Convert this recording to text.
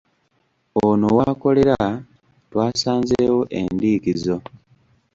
Ono w’akolera twasanzeewo endiikizo.